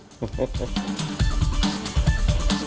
pertama ada ini tim ibu